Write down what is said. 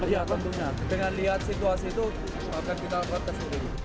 ya tentunya dengan lihat situasi itu akan kita lakukan tes urin